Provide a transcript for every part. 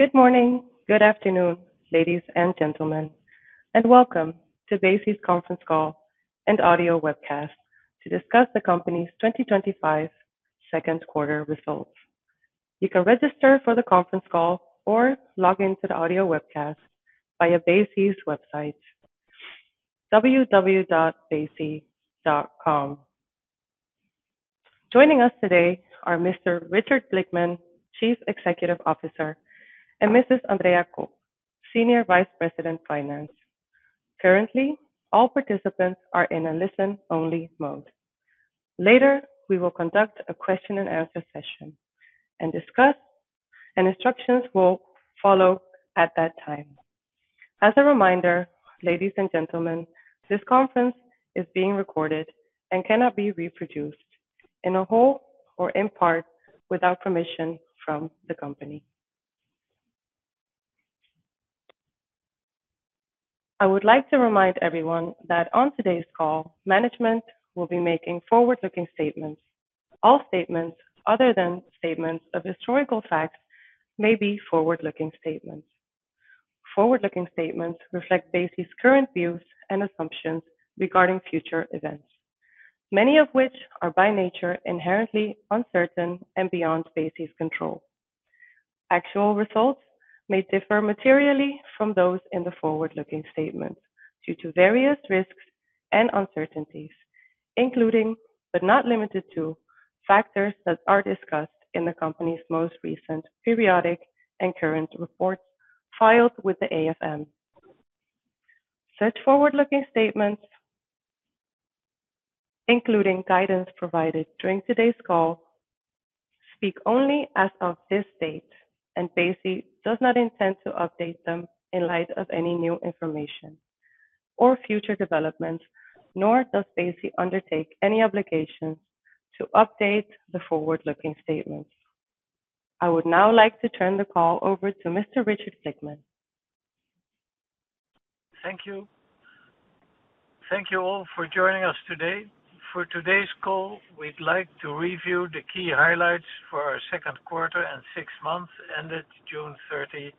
Good morning. Good afternoon, ladies and gentlemen, and welcome to Besi's conference call and audio webcast to discuss the company's 2025 second quarter results. You can register for the conference call or log into the audio webcast via Besi's website, www.besi.com. Joining us today are Mr. Richard Blickman, Chief Executive Officer, and Mrs. Andrea Kopp-Battaglia, Senior Vice President, Finance. Currently, all participants are in a listen-only mode. Later, we will conduct a question-and-answer session, and instructions will follow at that time. As a reminder, ladies and gentlemen, this conference is being recorded and cannot be reproduced in whole or in part without permission from the company. I would like to remind everyone that on today's call, management will be making forward-looking statements. All statements other than statements of historical facts may be forward-looking statements. Forward-looking statements reflect Besi's current views and assumptions regarding future events, many of which are by nature inherently uncertain and beyond Besi's control. Actual results may differ materially from those in the forward-looking statements due to various risks and uncertainties, including, but not limited to, factors that are discussed in the company's most recent periodic and current reports filed with the AFM. Such forward-looking statements, including guidance provided during today's call, speak only as of this date, and Besi does not intend to update them in light of any new information or future developments, nor does Besi undertake any obligations to update the forward-looking statements. I would now like to turn the call over to Mr. Richard Blickman. Thank you. Thank you all for joining us today. For today's call, we'd like to review the key highlights for our second quarter and six months ended June 30,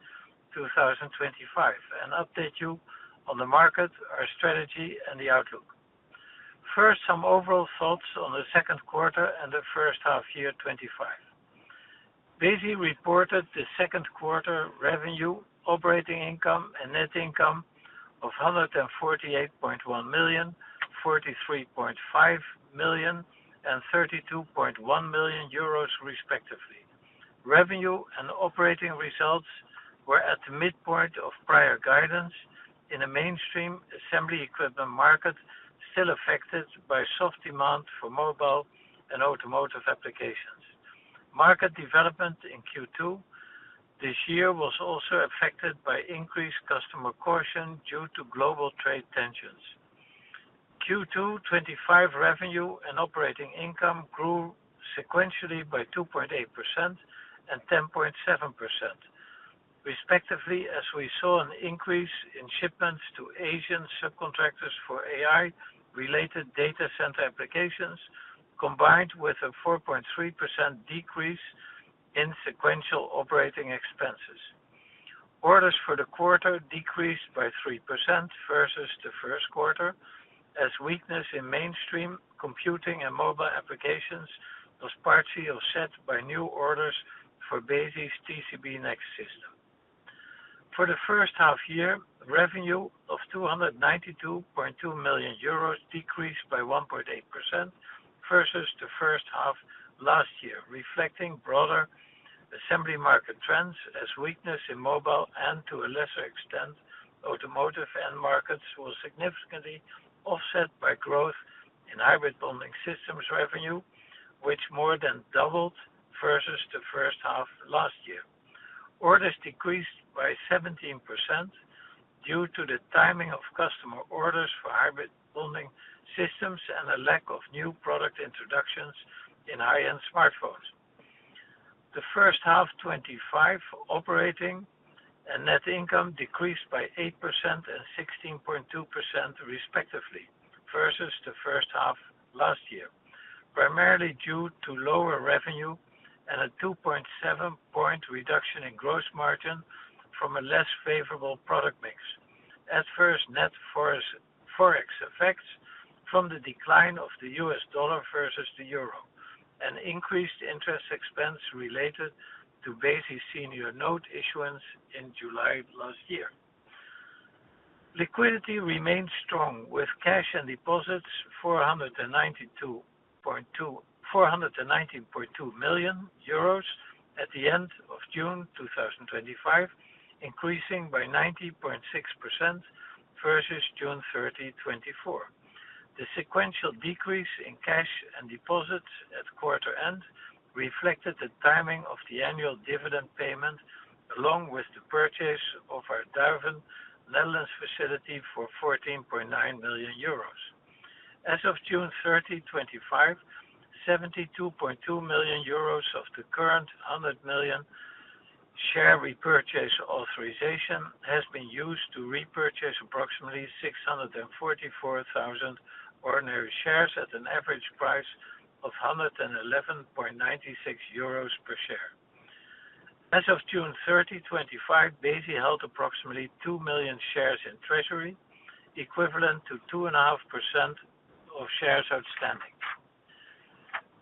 2025, and update you on the market, our strategy, and the outlook. First, some overall thoughts on the second quarter and the first half year 2025. Besi reported the second quarter revenue, operating income, and net income of 148.1 million, 43.5 million, and 32.1 million euros, respectively. Revenue and operating results were at the midpoint of prior guidance in a mainstream assembly equipment market still affected by soft demand for mobile and automotive applications. Market development in Q2 this year was also affected by increased customer caution due to global trade tensions. Q2 2025 revenue and operating income grew sequentially by 2.8% and 10.7%, respectively, as we saw an increase in shipments to Asian subcontractors for AI-related data center applications, combined with a 4.3% decrease in sequential operating expenses. Orders for the quarter decreased by 3% versus the first quarter, as weakness in mainstream computing and mobile applications was partly offset by new orders for Besi's TCB Next system. For the first half year, revenue of 292.2 million euros decreased by 1.8% versus the first half last year, reflecting broader assembly market trends as weakness in mobile and, to a lesser extent, automotive end markets was significantly offset by growth in Hybrid bonding systems revenue, which more than doubled versus the first half last year. Orders decreased by 17% due to the timing of customer orders for Hybrid bonding systems and a lack of new product introductions in high-end smartphones. The first half 2025 operating and net income decreased by 8% and 16.2%, respectively, versus the first half last year, primarily due to lower revenue and a 2.7-point reduction in gross margin from a less favorable product mix, at first net foreign exchange effects from the decline of the US dollar versus the euro, and increased interest expense related to Besi's senior note issuance in July last year. Liquidity remained strong, with cash and deposits 492.2 million euros at the end of June 2025, increasing by 19.6% versus June 30, 2024. The sequential decrease in cash and deposits at quarter end reflected the timing of the annual dividend payment, along with the purchase of our Duiven, Netherlands facility for 14.9 million euros. As of June 30, 2025, 72.2 million euros of the current 100 million share repurchase authorization has been used to repurchase approximately 644,000 ordinary shares at an average price of 111.96 euros per share. As of June 30, 2025, Besi held approximately 2 million shares in treasury, equivalent to 2.5% of shares outstanding.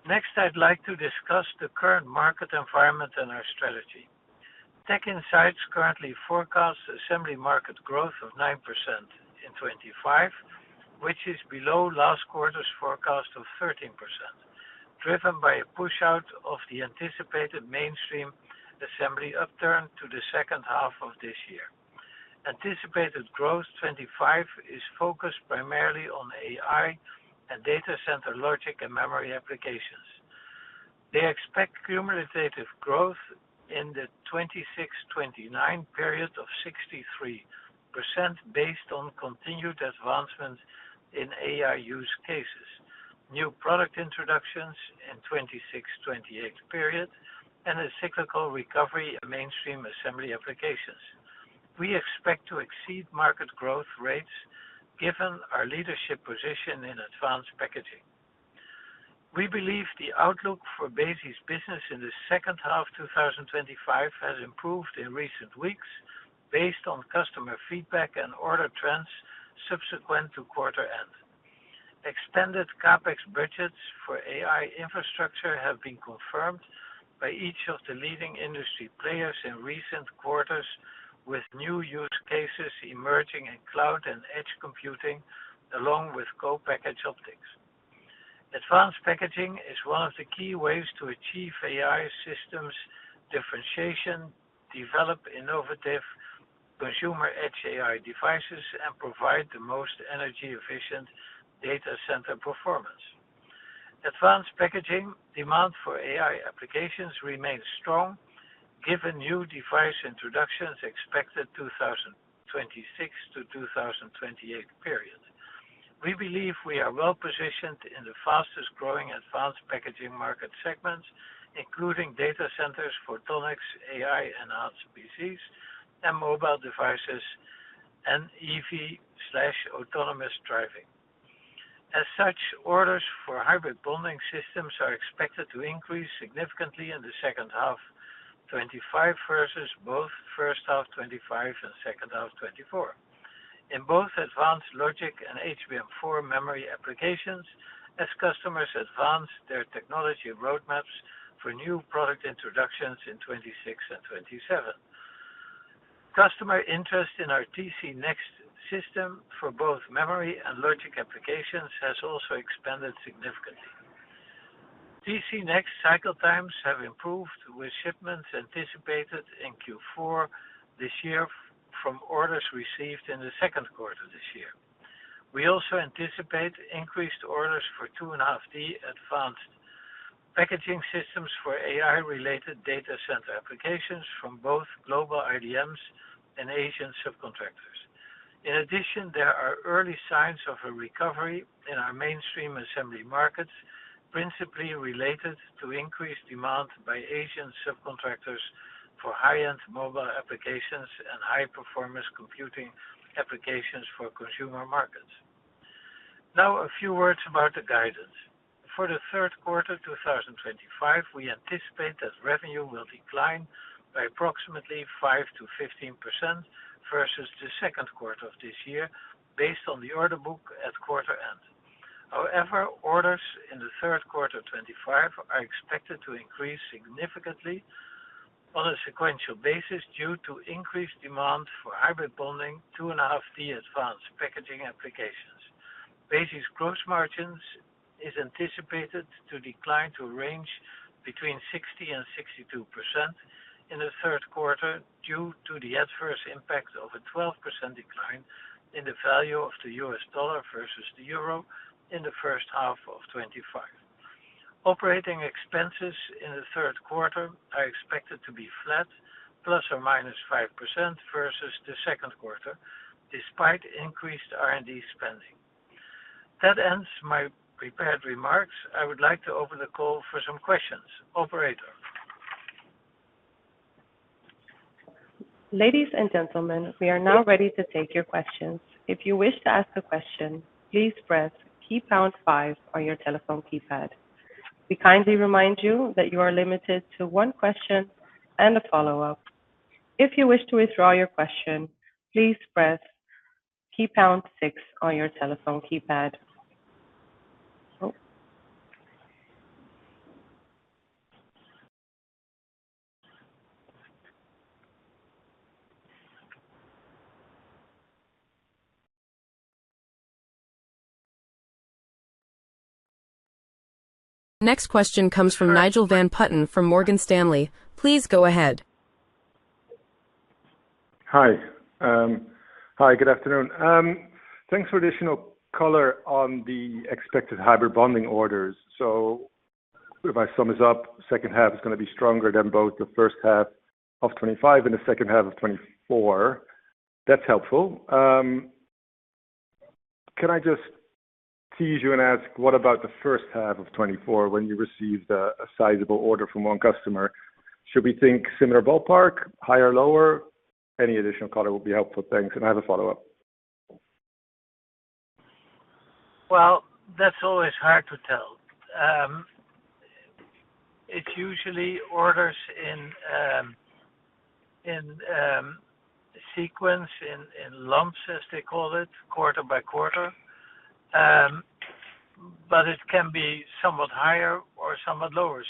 Next, I'd like to discuss the current market environment and our strategy. TechInsights currently forecasts assembly market growth of 9% in 2025, which is below last quarter's forecast of 13%, driven by a push-out of the anticipated mainstream assembly upturn to the second half of this year. Anticipated growth 2025 is focused primarily on AI and data center logic and memory applications. They expect cumulative growth in the 2026-2029 period of 63% based on continued advancements in AI use cases, new product introductions in the 2026-2028 period, and a cyclical recovery in mainstream assembly applications. We expect to exceed market growth rates given our leadership position in advanced packaging. We believe the outlook for Besi's business in the second half of 2025 has improved in recent weeks based on customer feedback and order trends subsequent to quarter end. Extended CapEx budgets for AI infrastructure have been confirmed by each of the leading industry players in recent quarters, with new use cases emerging in cloud and edge computing, along with Co-package optics. Advanced packaging is one of the key ways to achieve AI systems differentiation, develop innovative consumer edge AI devices, and provide the most energy-efficient data center performance. Advanced packaging demand for AI applications remains strong given new device introductions expected in the 2026 to 2028 period. We believe we are well positioned in the fastest-growing advanced packaging market segments, including data centers for photonics, AI and AR PCs, and mobile devices, and EV/autonomous driving. As such, orders for Hybrid bonding systems are expected to increase significantly in the second half 2025 versus both first half 2025 and second half 2024. In both advanced logic and HBM4 memory applications, as customers advance their technology roadmaps for new product introductions in 2026 and 2027. Customer interest in our TC Next system for both memory and logic applications has also expanded significantly. TC Next cycle times have improved, with shipments anticipated in Q4 this year from orders received in the second quarter this year. We also anticipate increased orders for 2.5D Advanced Packaging systems for AI-related data center applications from both global IDMs and Asian subcontractors. In addition, there are early signs of a recovery in our mainstream assembly markets, principally related to increased demand by Asian subcontractors for high-end mobile applications and high-performance computing applications for consumer markets. Now, a few words about the guidance. For the third quarter 2025, we anticipate that revenue will decline by approximately 5%-15% versus the second quarter of this year, based on the order book at quarter end. However, orders in the third quarter 2025 are expected to increase significantly on a sequential basis due to increased demand for Hybrid bonding 2.5D Advanced Packaging applications. Besi's gross margins are anticipated to decline to a range between 60%-62% in the third quarter due to the adverse impact of a 12% decline in the value of the U.S. dollar versus the euro in the first half of 2025. Operating expenses in the third quarter are expected to be flat, plus or minus 5% versus the second quarter, despite increased R&D spending. That ends my prepared remarks. I would like to open the call for some questions. Operator. Ladies and gentlemen, we are now ready to take your questions. If you wish to ask a question, please press pound five on your telephone keypad. We kindly remind you that you are limited to one question and a follow-up. If you wish to withdraw your question, please press pound six on your telephone keypad. Next question comes from Nigel van Putten from Morgan Stanley. Please go ahead. Hi. Hi, good afternoon. Thanks for additional color on the expected Hybrid bonding orders. If I sum this up, the second half is going to be stronger than both the first half of 2025 and the second half of 2024. That's helpful. Can I just tease you and ask, what about the first half of 2024 when you received a sizable order from one customer? Should we think similar ballpark, higher, lower? Any additional color would be helpful. Thanks. I have a follow-up. That's always hard to tell. It's usually orders in sequence, in lumps, as they call it, quarter by quarter. It can be somewhat higher or somewhat lower.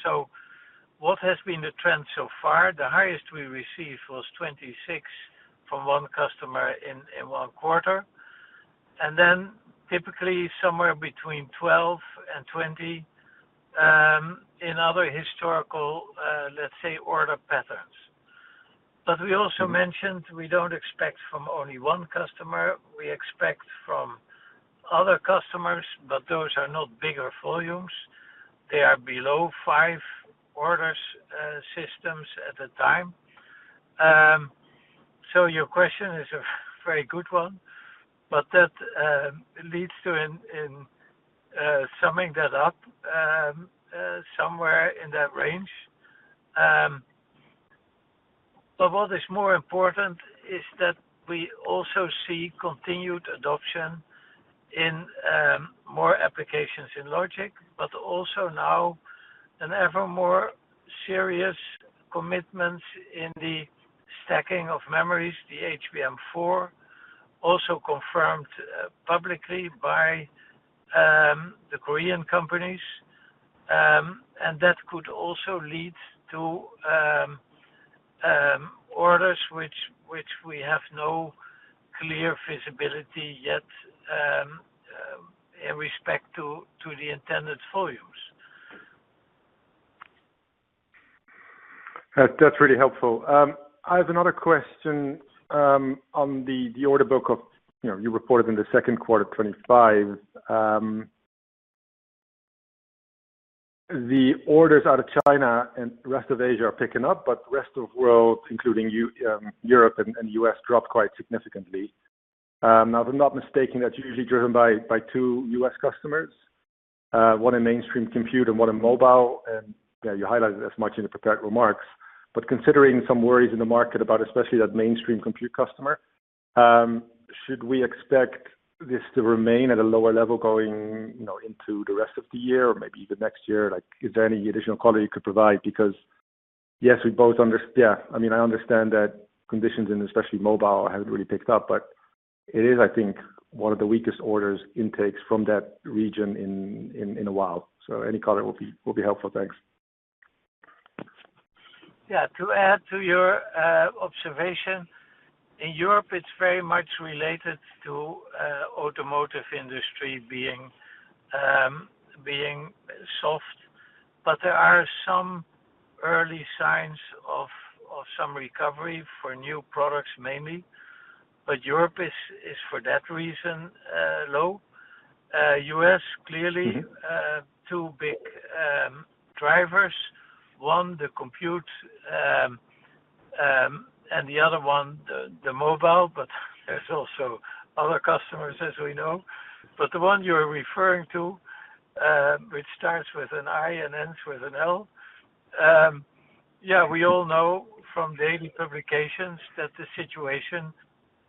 What has been the trend so far? The highest we received was 26 from one customer in one quarter. Then typically somewhere between 12 and 20 in other historical, let's say, order patterns. We also mentioned we don't expect from only one customer. We expect from other customers, but those are not bigger volumes. They are below five order systems at a time. Your question is a very good one, but that leads to summing that up somewhere in that range. What is more important is that we also see continued adoption in more applications in logic, but also now an ever more serious commitment in the stacking of memories, the HBM4. Also confirmed publicly by the Korean companies. That could also lead to orders which we have no clear visibility yet in respect to the intended volumes. That's really helpful. I have another question. On the order book you reported in the second quarter of 2025. The orders out of China and rest of Asia are picking up, but the rest of the world, including Europe and the U.S., dropped quite significantly. Now, if I'm not mistaken, that's usually driven by two U.S. customers, one in mainstream compute and one in mobile. Yeah, you highlighted as much in the prepared remarks. Considering some worries in the market about especially that mainstream compute customer, should we expect this to remain at a lower level going into the rest of the year or maybe even next year? Is there any additional color you could provide? Because yes, we both understand, I mean, I understand that conditions in especially mobile haven't really picked up, but it is, I think, one of the weakest order intakes from that region in a while. Any color will be helpful. Thanks. Yeah. To add to your observation, in Europe, it's very much related to the automotive industry being soft, but there are some early signs of some recovery for new products mainly. Europe is, for that reason, low. U.S., clearly, two big drivers. One, the compute, and the other one, the mobile, but there's also other customers, as we know. The one you're referring to, which starts with an I and ends with an L, yeah, we all know from daily publications that the situation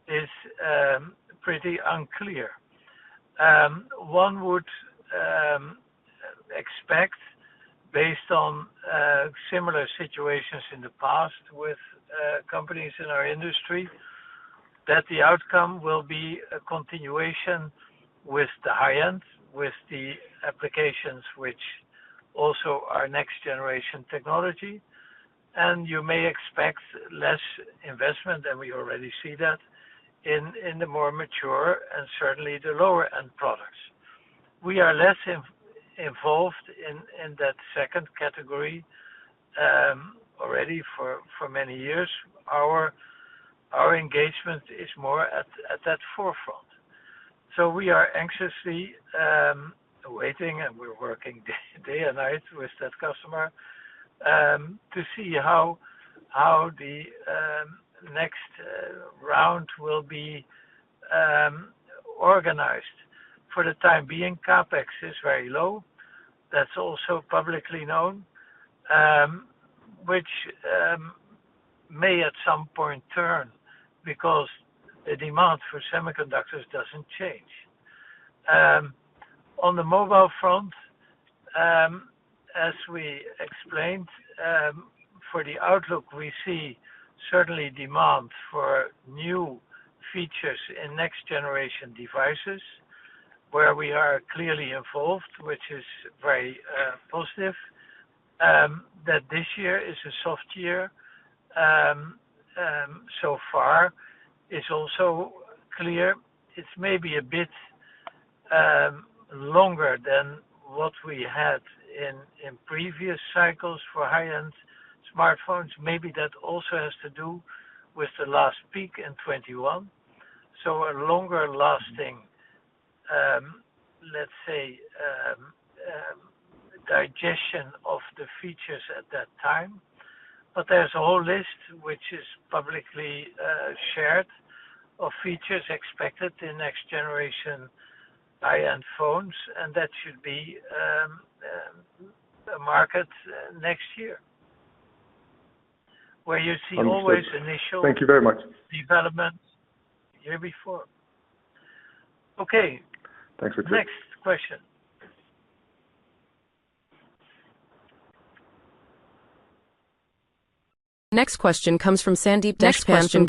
is pretty unclear. One would expect, based on similar situations in the past with companies in our industry, that the outcome will be a continuation with the high-end, with the applications which also are next-generation technology. You may expect less investment, and we already see that in the more mature and certainly the lower-end products. We are less involved in that second category already for many years. Our engagement is more at that forefront. We are anxiously waiting, and we're working day and night with that customer to see how the next round will be organized. For the time being, CapEx is very low. That's also publicly known, which may at some point turn because the demand for semiconductors doesn't change. On the mobile front, as we explained, for the outlook, we see certainly demand for new features in next-generation devices, where we are clearly involved, which is very positive. That this year is a soft year so far is also clear. It's maybe a bit longer than what we had in previous cycles for high-end smartphones. Maybe that also has to do with the last peak in 2021, so a longer-lasting, let's say, digestion of the features at that time. There's a whole list which is publicly shared of features expected in next-generation high-end phones, and that should be a market next year where you see always initial. Thank you very much. Development. Year before. Okay. Thanks, Richard. Next question. Next question comes from Sandeep Deshpande,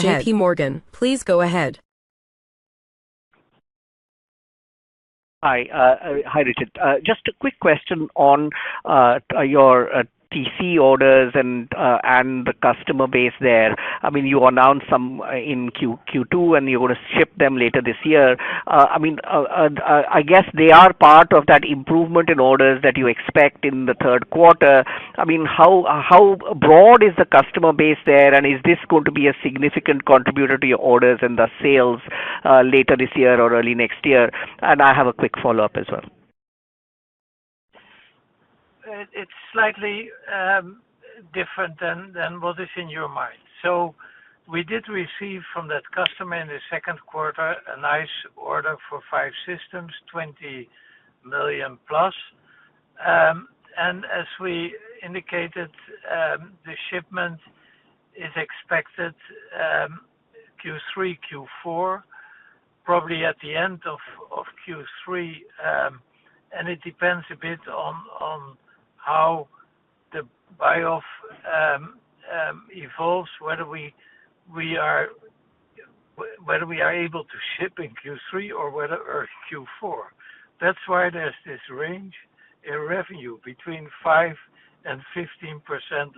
J.P. Morgan. Please go ahead. Hi, Richard. Just a quick question on your TC orders and the customer base there. I mean, you announced some in Q2, and you're going to ship them later this year. I mean, I guess they are part of that improvement in orders that you expect in the third quarter. I mean, how broad is the customer base there, and is this going to be a significant contributor to your orders and the sales later this year or early next year? I have a quick follow-up as well. It's slightly different than what is in your mind. We did receive from that customer in the second quarter a nice order for five systems, 20 million plus. As we indicated, the shipment is expected Q3, Q4, probably at the end of Q3. It depends a bit on how the buy-off evolves, whether we are able to ship in Q3 or Q4. That's why there's this range in revenue between 5%-15%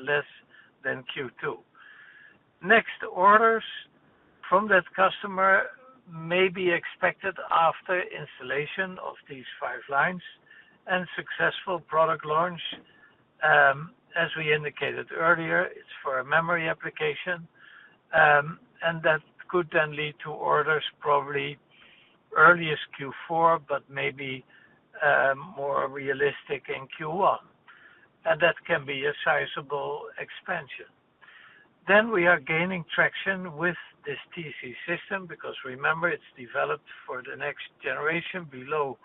less than Q2. Next orders from that customer may be expected after installation of these five lines and successful product launch. As we indicated earlier, it's for a memory application. That could then lead to orders probably earliest Q4, but maybe more realistic in Q1. That can be a sizable expansion. We are gaining traction with this TC system because, remember, it's developed for the next generation below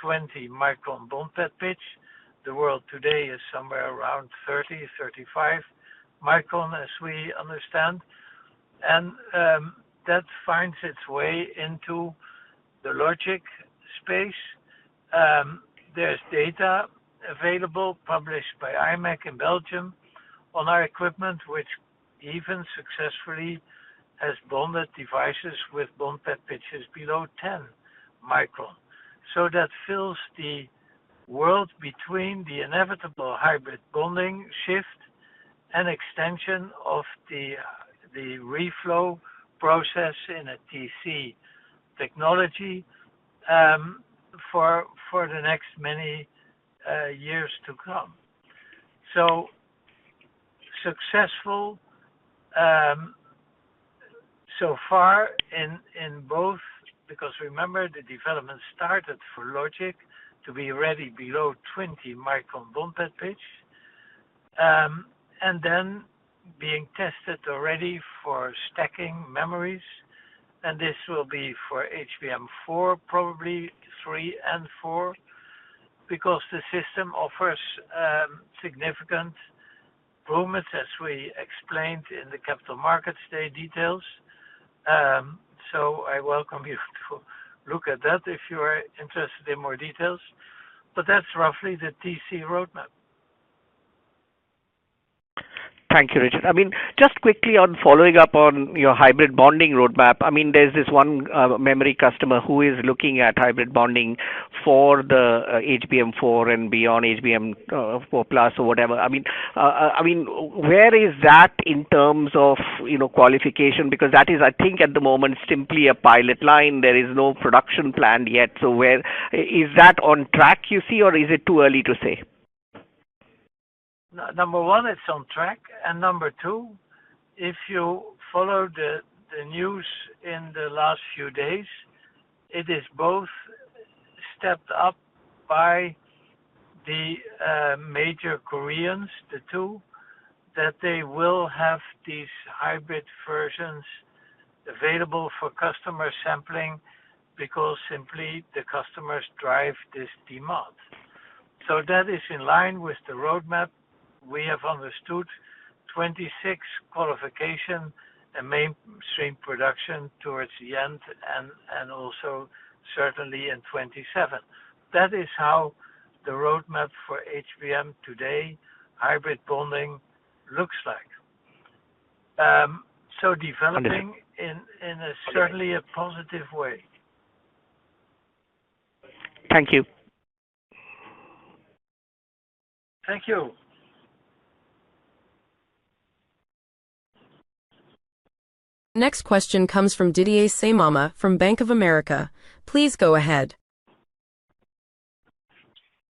20 micron bond package. The world today is somewhere around 30-35 micron, as we understand. That finds its way into the logic space. There is data available published by imec in Belgium on our equipment, which even successfully has bonded devices with bond packages below 10 micron. That fills the world between the inevitable Hybrid bonding shift and extension of the reflow process in a TC technology for the next many years to come. Successful so far in both, because remember, the development started for logic to be ready below 20 micron bond package and then being tested already for stacking memories. This will be for HBM4, probably 3 and 4, because the system offers significant improvements, as we explained in the capital markets day details. I welcome you to look at that if you are interested in more details. That's roughly the TC roadmap. Thank you, Richard. I mean, just quickly on following up on your Hybrid bonding roadmap, I mean, there's this one memory customer who is looking at Hybrid bonding for the HBM4 and beyond, HBM4 Plus or whatever. I mean, where is that in terms of qualification? Because that is, I think, at the moment, simply a pilot line. There is no production planned yet. Is that on track, you see, or is it too early to say? Number one, it's on track. Number two, if you follow the news in the last few days, it is both stepped up by the major Koreans, the two, that they will have these hybrid versions available for customer sampling because simply the customers drive this demand. That is in line with the roadmap. We have understood 2026 qualification and mainstream production towards the end, and also certainly in 2027. That is how the roadmap for HBM today, Hybrid bonding, looks like. Developing in a certainly a positive way. Thank you. Thank you. Next question comes from Didier Scemama from Bank of America. Please go ahead.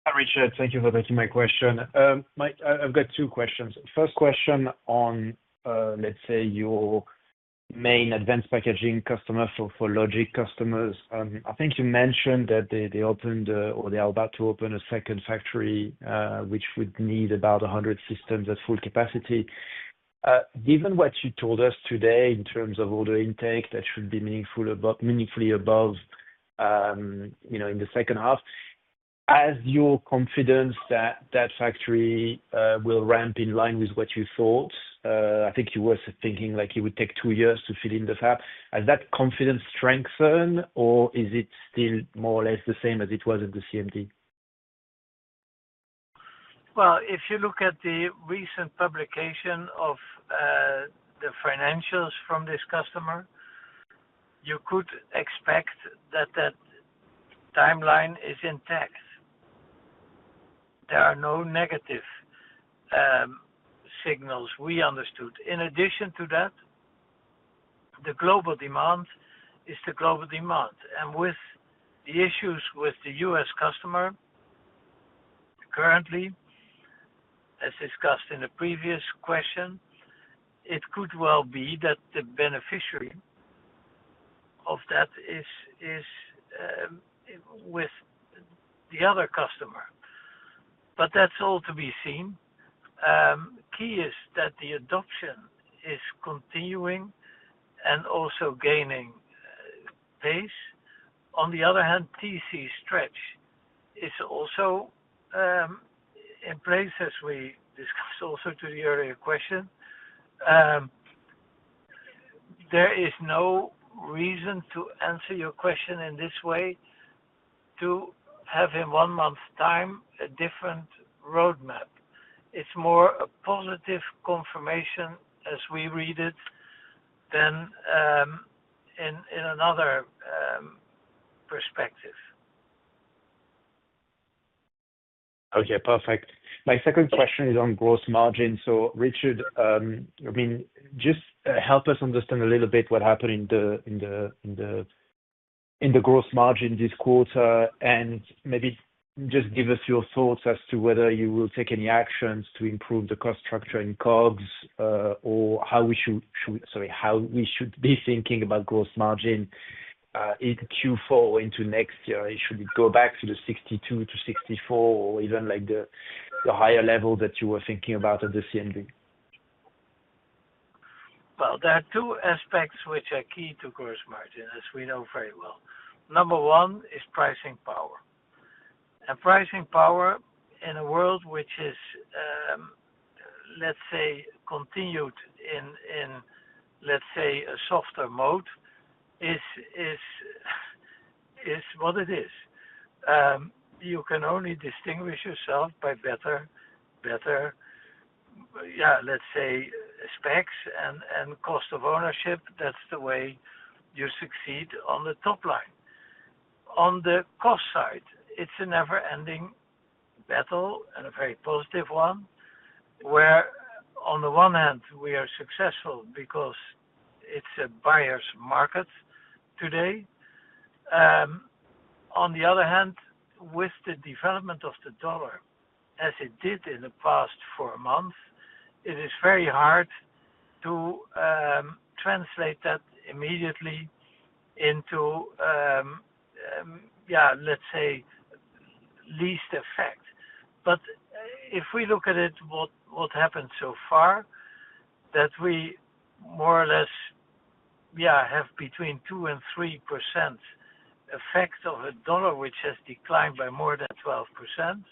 Hi, Richard. Thank you for taking my question. I've got two questions. First question on, let's say, your main advanced packaging customer for logic customers. I think you mentioned that they opened or they are about to open a second factory, which would need about 100 systems at full capacity. Given what you told us today in terms of all the intake, that should be meaningfully above in the second half. Has your confidence that that factory will ramp in line with what you thought? I think you were thinking like it would take two years to fill in the fab. Has that confidence strengthened, or is it still more or less the same as it was at the CMD? If you look at the recent publication of the financials from this customer, you could expect that that timeline is intact. There are no negative signals, we understood. In addition to that, the global demand is the global demand. With the issues with the US customer currently, as discussed in the previous question, it could well be that the beneficiary of that is with the other customer. That's all to be seen. Key is that the adoption is continuing and also gaining pace. On the other hand, TC stretch is also in place, as we discussed also to the earlier question. There is no reason to answer your question in this way, to have in one month's time a different roadmap. It's more a positive confirmation, as we read it, than in another perspective. Okay. Perfect. My second question is on gross margin. So, Richard. I mean, just help us understand a little bit what happened in the gross margin this quarter, and maybe just give us your thoughts as to whether you will take any actions to improve the cost structure in COGS or how we should—sorry, how we should be thinking about gross margin. In Q4 or into next year. Should we go back to the 62%-64% or even the higher level that you were thinking about at the CMD? There are two aspects which are key to gross margin, as we know very well. Number one is pricing power. Pricing power in a world which is, let's say, continued in, let's say, a softer mode, is what it is. You can only distinguish yourself by better, yeah, let's say, specs and cost of ownership. That's the way you succeed on the top line. On the cost side, it's a never-ending battle and a very positive one. Where, on the one hand, we are successful because it's a buyer's market today. On the other hand, with the development of the dollar, as it did in the past four months, it is very hard to translate that immediately into, yeah, let's say, least effect. If we look at what happened so far, that we more or less, yeah, have between 2% and 3% effect of a dollar which has declined by more than 12%.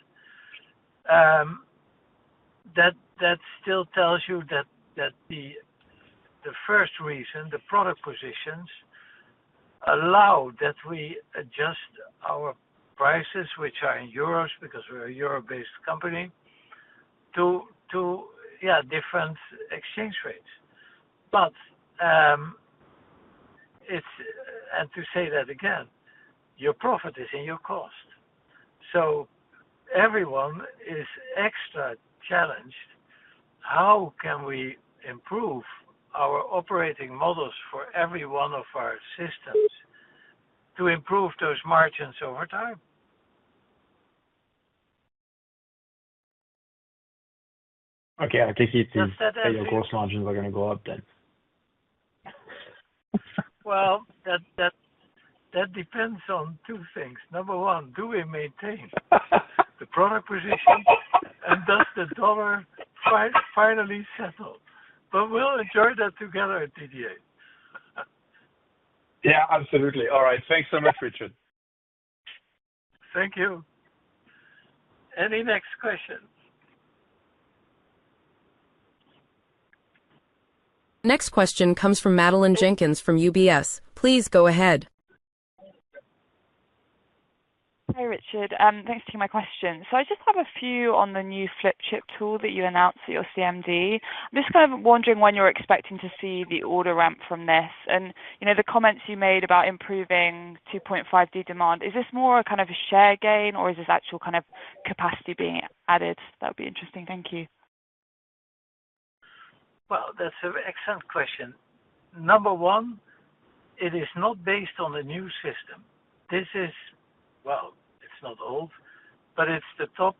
That still tells you that the first reason, the product positions, allow that we adjust our prices, which are in euros because we're a euro-based company, to, yeah, different exchange rates. To say that again, your profit is in your cost. Everyone is extra challenged. How can we improve our operating models for every one of our systems to improve those margins over time? Okay. I take it. That's that. Your gross margins are going to go up then. That depends on two things. Number one, do we maintain the product position, and does the dollar finally settle? We'll enjoy that together, Didier. Yeah, absolutely. All right. Thanks so much, Richard. Thank you. Any next questions? Next question comes from Madeleine Jenkins from UBS. Please go ahead. Hi, Richard. Thanks for taking my question. I just have a few on the new flip chip tool that you announced at your CMD. I'm just kind of wondering when you're expecting to see the order ramp from this. The comments you made about improving 2.5D demand, is this more a kind of a share gain, or is this actual kind of capacity being added? That would be interesting. Thank you. That's an excellent question. Number one, it is not based on the new system. This is, well, it's not old, but it's the top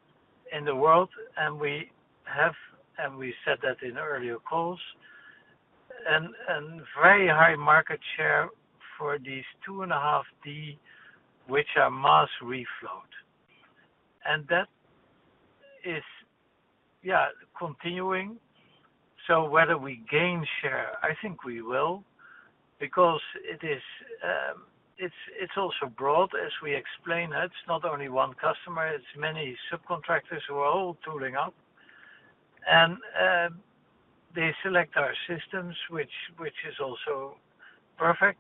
in the world, and we have, and we said that in earlier calls. Very high market share for these 2.5D, which are mass reflow. That is, yeah, continuing. Whether we gain share, I think we will. Because it's also broad, as we explain it. It's not only one customer. It's many subcontractors who are all tooling up. They select our systems, which is also perfect.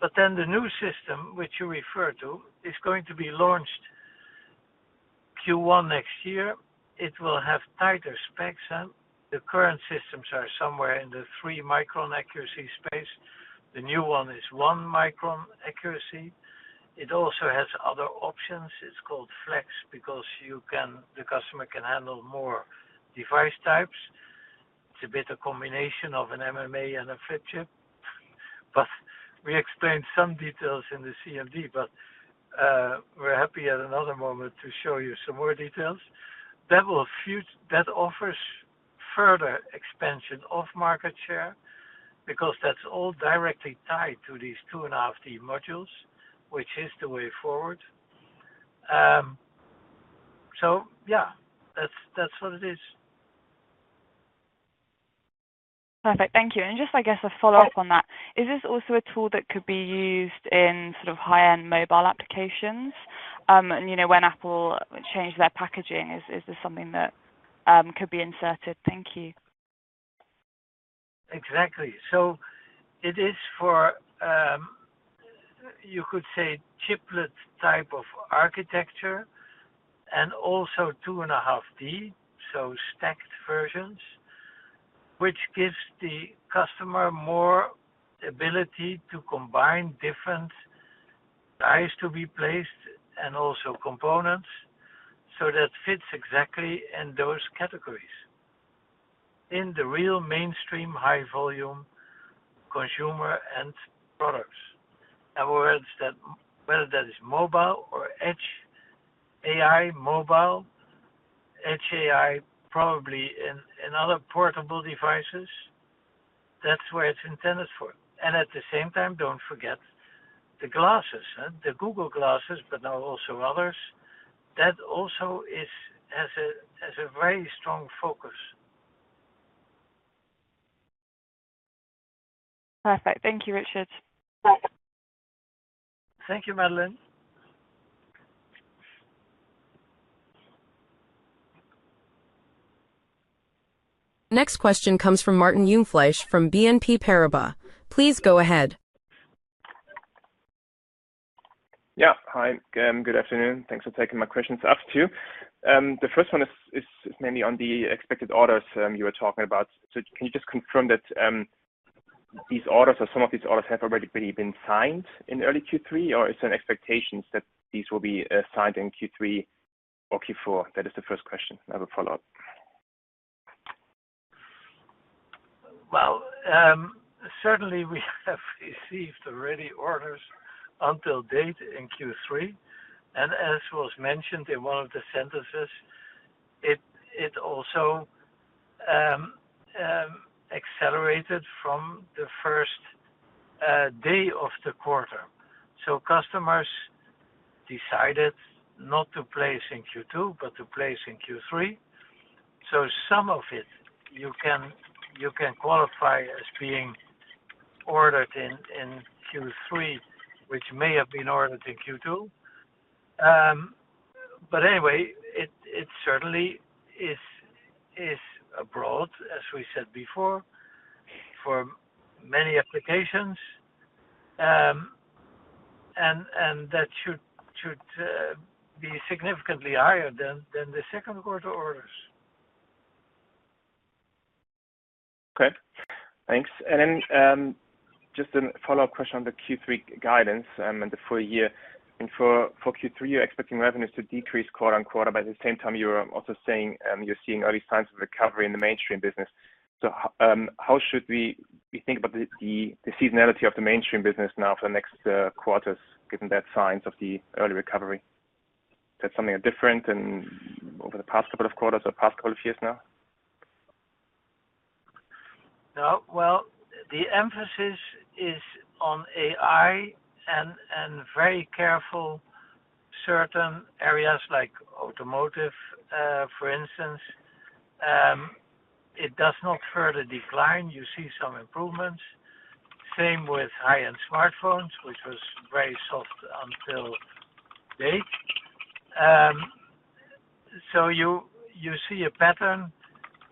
The new system, which you refer to, is going to be launched Q1 next year. It will have tighter specs, and the current systems are somewhere in the 3 micron accuracy space. The new one is 1 micron accuracy. It also has other options. It's called Flex because the customer can handle more device types. It's a bit of a combination of an MMA and a flip chip. We explained some details in the CMD, but we're happy at another moment to show you some more details. That offers further expansion of market share because that's all directly tied to these 2.5D modules, which is the way forward. Yeah, that's what it is. Perfect. Thank you. I guess, a follow-up on that. Is this also a tool that could be used in sort of high-end mobile applications? When Apple changed their packaging, is this something that could be inserted? Thank you. Exactly. It is for, you could say, chiplet type of architecture and also 2.5D, so stacked versions, which gives the customer more ability to combine different dies to be placed and also components, so that fits exactly in those categories. In the real mainstream high-volume consumer end products, in other words, whether that is mobile or edge AI, mobile, edge AI, probably in other portable devices, that's where it's intended for. At the same time, don't forget the glasses, the Google glasses, but now also others. That also has a very strong focus. Perfect. Thank you, Richard. Thank you, Madeline. Next question comes from Martin Jungfleisch from BNP Paribas. Please go ahead. Yeah. Hi, again. Good afternoon. Thanks for taking my questions up too. The first one is mainly on the expected orders you were talking about. Can you just confirm that these orders or some of these orders have already been signed in early Q3, or is there an expectation that these will be signed in Q3 or Q4? That is the first question. I have a follow-up. Certainly, we have received already orders until date in Q3. As was mentioned in one of the sentences, it also accelerated from the first day of the quarter. Customers decided not to place in Q2, but to place in Q3. Some of it, you can qualify as being ordered in Q3, which may have been ordered in Q2. Anyway, it certainly is abroad, as we said before, for many applications. That should be significantly higher than the second quarter orders. Okay. Thanks. Just a follow-up question on the Q3 guidance and the full year. For Q3, you're expecting revenues to decrease quarter on quarter, but at the same time, you're also saying you're seeing early signs of recovery in the mainstream business. How should we think about the seasonality of the mainstream business now for the next quarters, given that signs of the early recovery? Is that something different than over the past couple of quarters or past couple of years now? No. The emphasis is on AI and very careful. Certain areas like automotive, for instance. It does not further decline. You see some improvements. Same with high-end smartphones, which was very soft until date. You see a pattern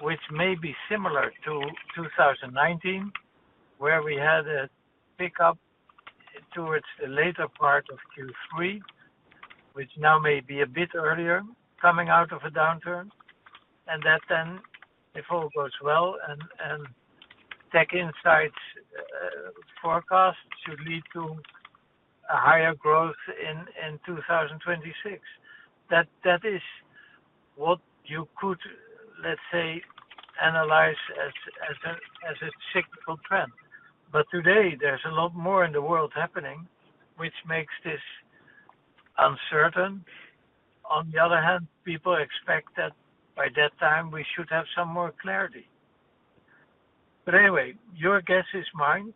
which may be similar to 2019, where we had a pickup towards the later part of Q3. Which now may be a bit earlier coming out of a downturn. If all goes well and TechInsights forecasts should lead to a higher growth in 2026. That is what you could, let's say, analyze as a cyclical trend. Today, there is a lot more in the world happening, which makes this uncertain. On the other hand, people expect that by that time, we should have some more clarity. Anyway, your guess is mine.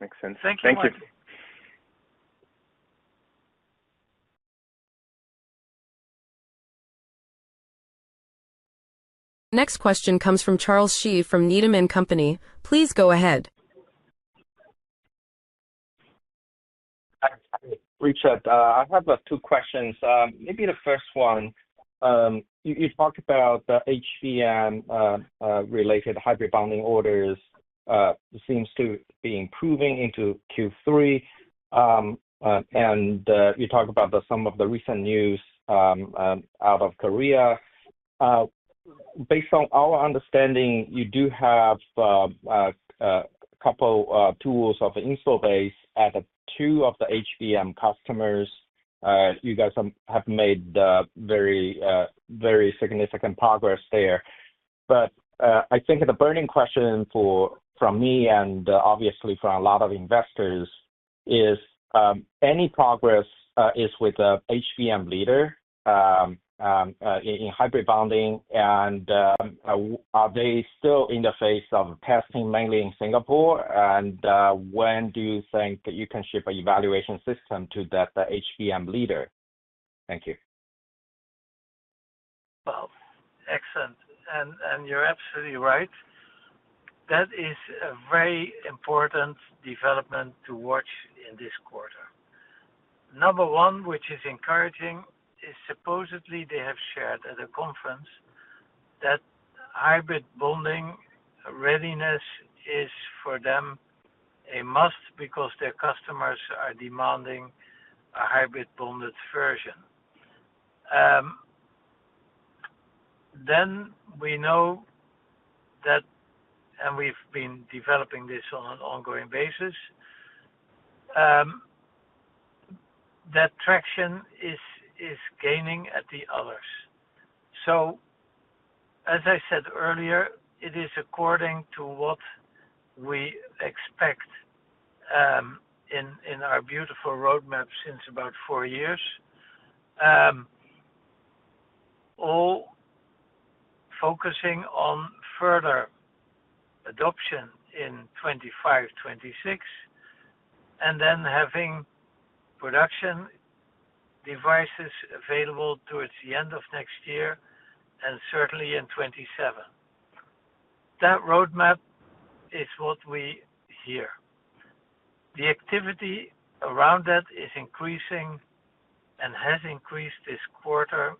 Makes sense. Thank you. Thank you. Next question comes from Charles Shi from Needham & Company. Please go ahead. Richard, I have two questions. Maybe the first one. You talked about the HVM-related Hybrid bonding orders. Seems to be improving into Q3. You talked about some of the recent news out of Korea. Based on our understanding, you do have a couple of tools of the info base at two of the HVM customers. You guys have made very significant progress there. I think the burning question from me and obviously from a lot of investors is, any progress with the HVM leader in Hybrid bonding? Are they still in the phase of testing mainly in Singapore? When do you think you can ship an evaluation system to the HVM leader? Thank you. Excellent. You're absolutely right. That is a very important development to watch in this quarter. Number one, which is encouraging, is supposedly they have shared at a conference that Hybrid bonding readiness is for them a must because their customers are demanding a hybrid bonded version. We know that, and we've been developing this on an ongoing basis. Traction is gaining at the others. As I said earlier, it is according to what we expect in our beautiful roadmap since about four years. All focusing on further adoption in 2025, 2026, and then having production devices available towards the end of next year and certainly in 2027. That roadmap is what we hear. The activity around that is increasing and has increased this quarter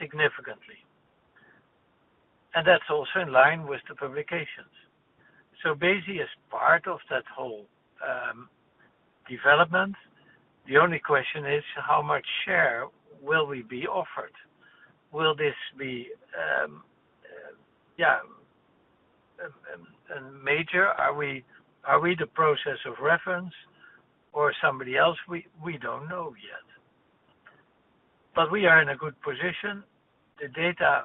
significantly. That's also in line with the publications. So Besi is part of that whole development. The only question is how much share will we be offered? Will this be a major? Are we the process of reference or somebody else? We don't know yet. We are in a good position. The data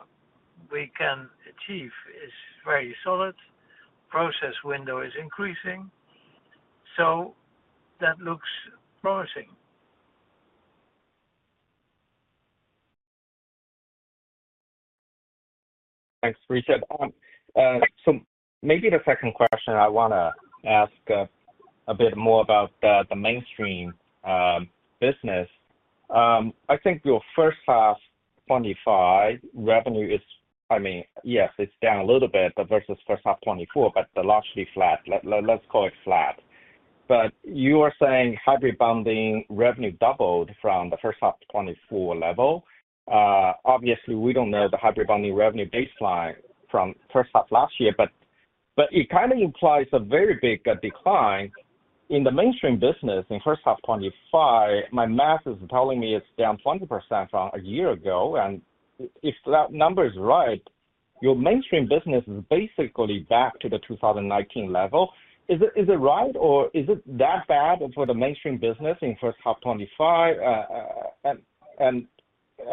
we can achieve is very solid. The process window is increasing, so that looks promising. Thanks, Richard. Maybe the second question, I want to ask a bit more about the mainstream business. I think your first half 2025 revenue is, I mean, yes, it is down a little bit versus first half 2024, but largely flat. Let's call it flat. You are saying Hybrid bonding revenue doubled from the first half 2024 level. Obviously, we do not know the Hybrid bonding revenue baseline from first half last year, but it kind of implies a very big decline in the mainstream business in first half 2025. My math is telling me it is down 20% from a year ago. If that number is right, your mainstream business is basically back to the 2019 level. Is it right, or is it that bad for the mainstream business in first half 2025?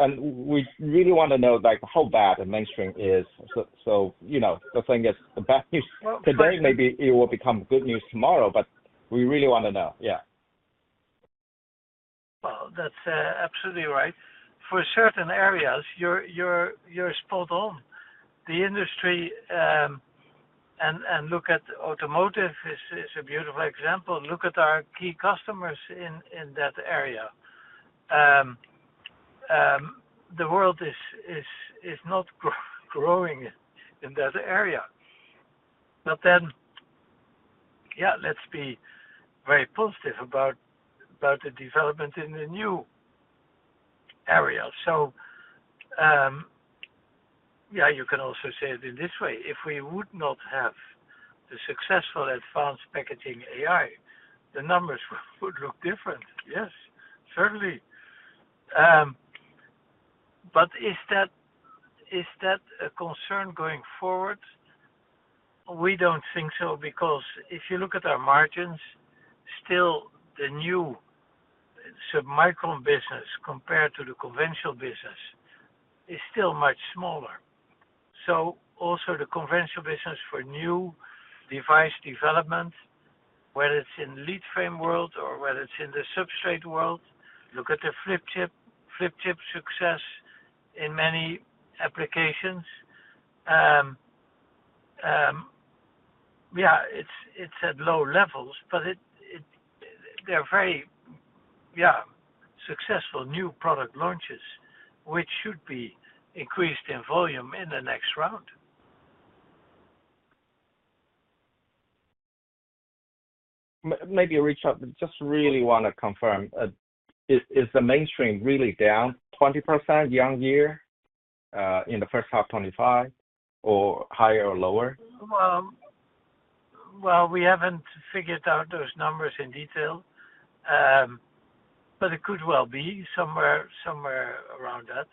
We really want to know how bad the mainstream is. The thing is, the bad news today, maybe it will become good news tomorrow, but we really want to know. Yeah. That is absolutely right. For certain areas, you're spot on. The industry. Look at automotive as a beautiful example. Look at our key customers in that area. The world is not growing in that area. Yeah, let's be very positive about the development in the new area. You can also say it in this way. If we would not have the successful advanced packaging AI, the numbers would look different. Yes, certainly. Is that a concern going forward? We don't think so because if you look at our margins, still the new submicron business compared to the conventional business is still much smaller. Also, the conventional business for new device development, whether it's in the lead frame world or whether it's in the substrate world, look at the flip chip success in many applications. It's at low levels, but there are very successful new product launches, which should be increased in volume in the next round. Maybe a reach out. Just really want to confirm. Is the mainstream really down 20% year-on-year in the first half 2025, or higher or lower? We have not figured out those numbers in detail. It could well be somewhere around that.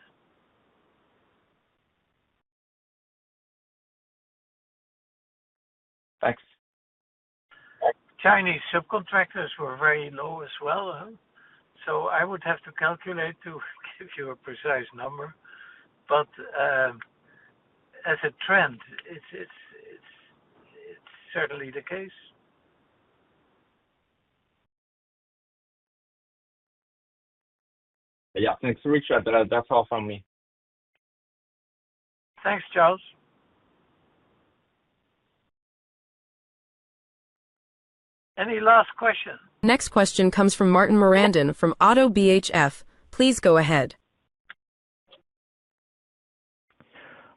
Thanks. Chinese subcontractors were very low as well. I would have to calculate to give you a precise number. As a trend, it's certainly the case. Yeah. Thanks, Richard. That's all from me. Thanks, Charles. Any last question? Next question comes from Martin Marandon from ODDO BHF. Please go ahead.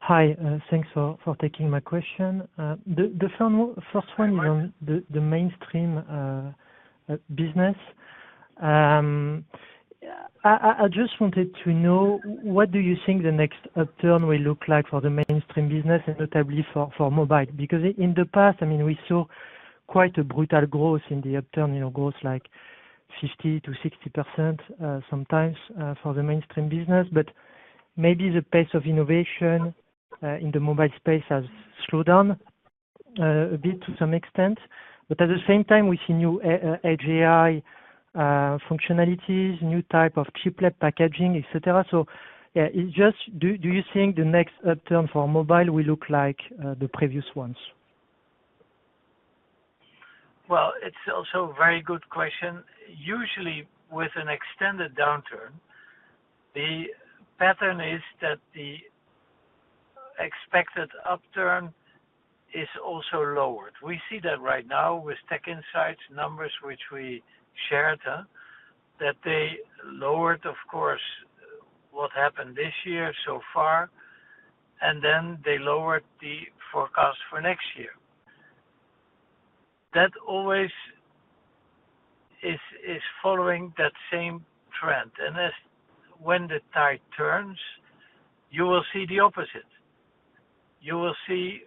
Hi. Thanks for taking my question. The first one is on the mainstream business. I just wanted to know, what do you think the next upturn will look like for the mainstream business, and notably for mobile? Because in the past, I mean, we saw quite a brutal growth in the upturn, growth like 50%-60% sometimes for the mainstream business. Maybe the pace of innovation in the mobile space has slowed down a bit to some extent. At the same time, we see new edge AI functionalities, new type of chiplet packaging, etc. Do you think the next upturn for mobile will look like the previous ones? It is also a very good question. Usually, with an extended downturn, the pattern is that the expected upturn is also lowered. We see that right now with TechInsights numbers, which we shared, that they lowered, of course, what happened this year so far, and then they lowered the forecast for next year. That always is following that same trend. When the tide turns, you will see the opposite. You will see,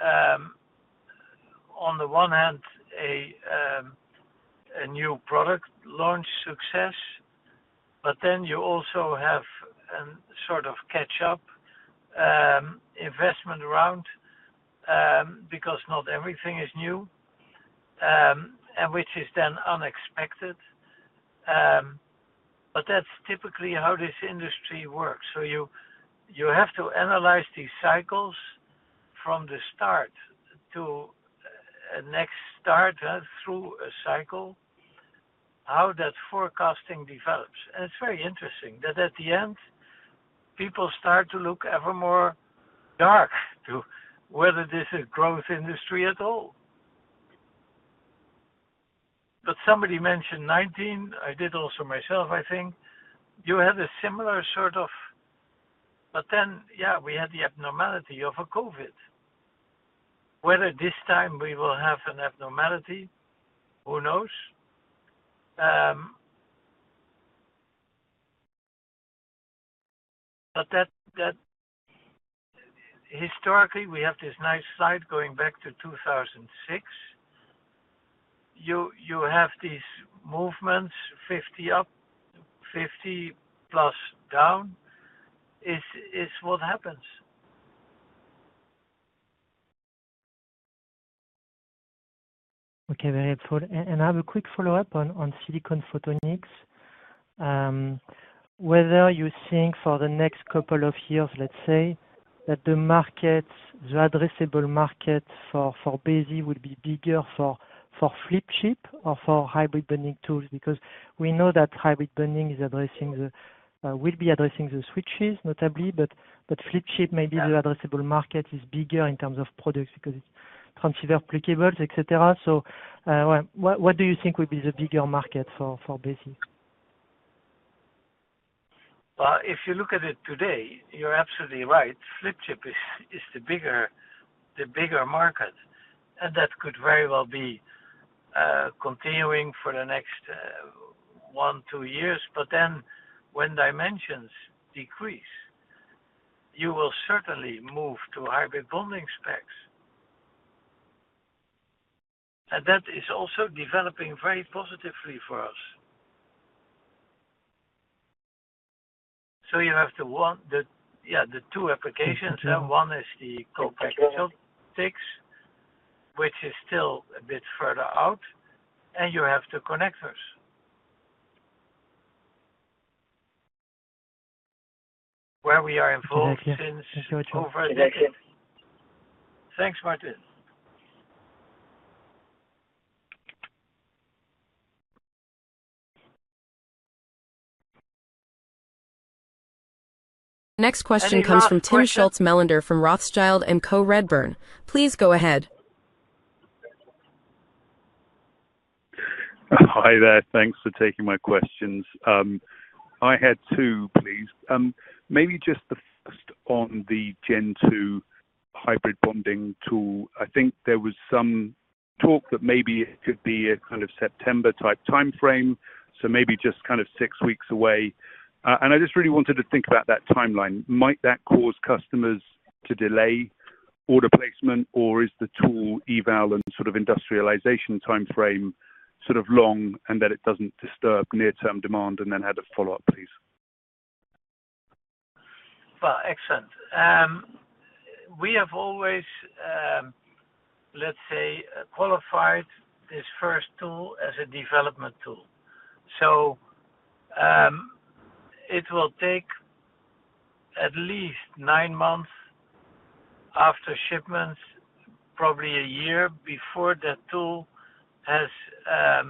on the one hand, a new product launch success, but then you also have a sort of catch-up investment round because not everything is new, and which is then unexpected. That is typically how this industry works. You have to analyze these cycles from the start to a next start through a cycle, how that forecasting develops. It is very interesting that at the end, people start to look ever more dark to whether this is a growth industry at all. Somebody mentioned 2019. I did also myself, I think. You had a similar sort of situation, but then, yeah, we had the abnormality of a COVID. Whether this time we will have an abnormality, who knows? Historically, we have this nice slide going back to 2006. You have these movements, 50 up, 50 plus down, is what happens. Okay. Very good. I have a quick follow-up on Silicon photonics. Whether you think for the next couple of years, let's say, that the addressable market for Besi would be bigger for flip chip or for Hybrid bonding tools? Because we know that Hybrid bonding will be addressing the switches, notably. Flip chip, maybe the addressable market is bigger in terms of products because it's transfer applicables, etc. What do you think would be the bigger market for Besi? If you look at it today, you're absolutely right. Flip chip is the bigger market, and that could very well be continuing for the next one or two years. When dimensions decrease, you will certainly move to Hybrid bonding specs, and that is also developing very positively for us. You have the two applications. One is the Co-package optics, which is still a bit further out, and you have the connectors, where we are involved since over a decade. Thanks, Martin. Next question comes from Tim Schultz-Melander from Rothschild & Co Redburn. Please go ahead. Hi there. Thanks for taking my questions. I had two, please. Maybe just the first on the Gen2 Hybrid bonding tool. I think there was some talk that maybe it could be a kind of September-type timeframe, so maybe just kind of six weeks away. I just really wanted to think about that timeline. Might that cause customers to delay order placement, or is the tool eval and sort of industrialization timeframe sort of long and that it does not disturb near-term demand? I had a follow-up, please. We have always, let's say, qualified this first tool as a development tool. It will take at least nine months after shipments, probably a year before that tool has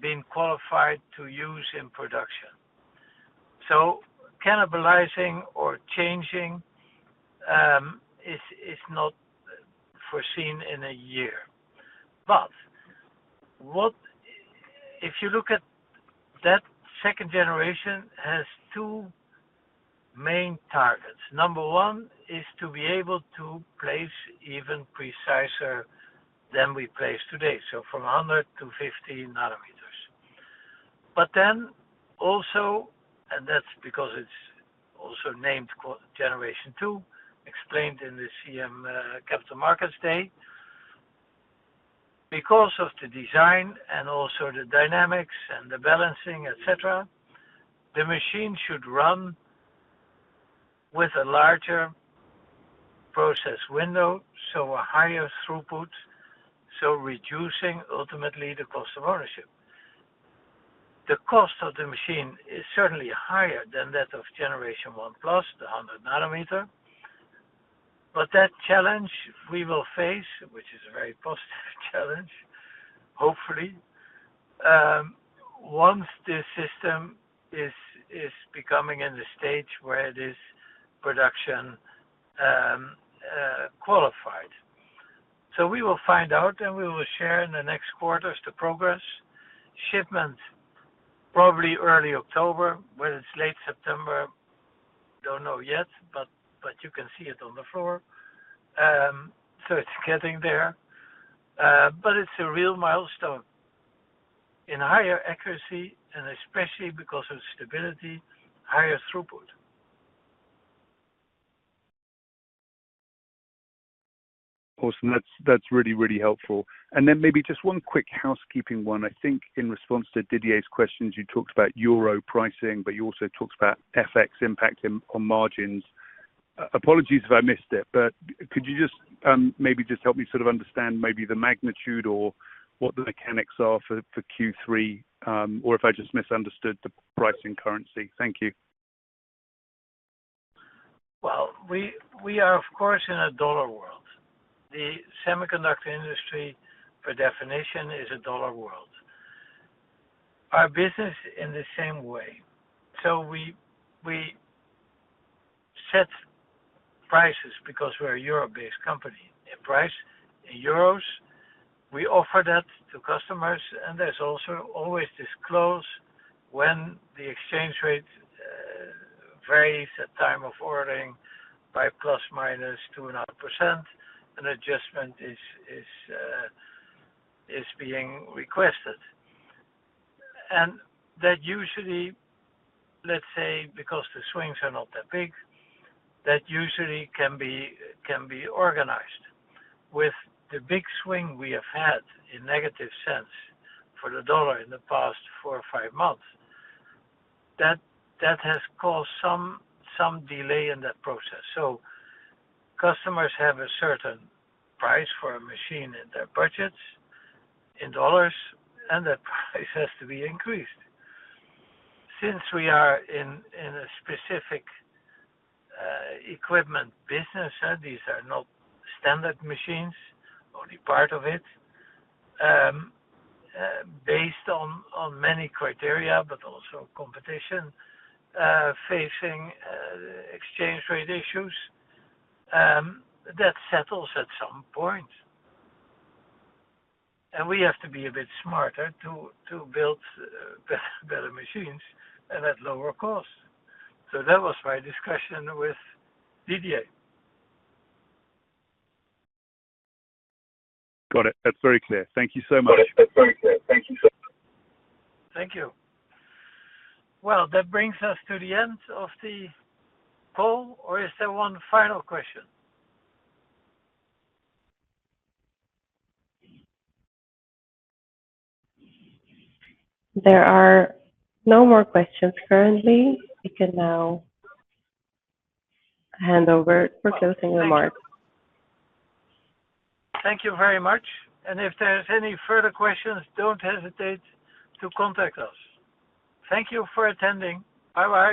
been qualified to use in production. Cannibalizing or changing is not foreseen in a year. If you look at that second generation, it has two main targets. Number one is to be able to place even preciser than we place today, so from 100 to 50 nanometers. That is also because it is named Generation 2, explained in the CM Capital Markets Day. Because of the design and also the dynamics and the balancing, etc., the machine should run with a larger process window, so a higher throughput, reducing ultimately the cost of ownership. The cost of the machine is certainly higher than that of Generation 1 Plus, the 100 nanometer. That challenge we will face, which is a very positive challenge, hopefully, once the system is becoming in the stage where it is production qualified. We will find out, and we will share in the next quarters the progress. Shipment probably early October, whether it is late September, do not know yet, but you can see it on the floor. It is getting there. It is a real milestone in higher accuracy, and especially because of stability, higher throughput. Awesome. That's really, really helpful. Maybe just one quick housekeeping one. I think in response to Didier's questions, you talked about euro pricing, but you also talked about FX impact on margins. Apologies if I missed it, but could you just maybe help me sort of understand maybe the magnitude or what the mechanics are for Q3, or if I just misunderstood the pricing currency? Thank you. We are, of course, in a dollar world. The semiconductor industry, by definition, is a dollar world. Our business is in the same way. We set prices because we're a euro-based company. In euros, we offer that to customers, and there's also always this close when the exchange rate varies at time of ordering by plus minus 2.5%, an adjustment is being requested. That usually, let's say, because the swings are not that big, that usually can be organized. With the big swing we have had in negative sense for the dollar in the past four or five months, that has caused some delay in that process. Customers have a certain price for a machine in their budgets in dollars, and that price has to be increased. Since we are in a specific equipment business, these are not standard machines, only part of it. Based on many criteria, but also competition facing exchange rate issues, that settles at some point. We have to be a bit smarter to build better machines at lower cost. That was my discussion with Didier. Got it. That's very clear. Thank you so much. That's very clear. Thank you so much. Thank you. That brings us to the end of the call, or is there one final question? There are no more questions currently. We can now hand over for closing remarks. Thank you very much. If there are any further questions, do not hesitate to contact us. Thank you for attending. Bye-bye.